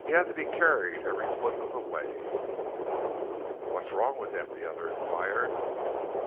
Had to be carried every foot of the way." "What's wrong with him?" the other enquired.